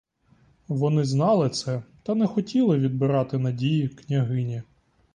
Вони знали це, та не хотіли відбирати надії княгині.